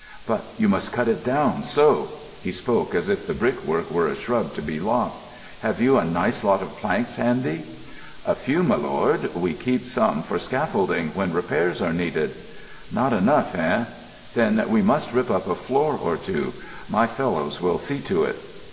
"But you must cut it down, so." He spoke as if the brickwork were a shrub to be lopped. "Have you a nice lot of planks handy?" "A few, milord. We keep some for scaffolding, when repairs are needed." "Not enough, hey? Then we must rip up a floor or two. My fellows will see to it."